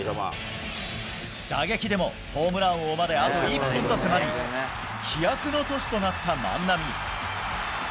打撃でもホームラン王まであと１本と迫り、飛躍の年となった万波。